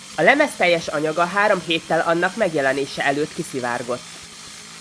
A lemez teljes anyaga három héttel annak megjelenése előtt kiszivárgott.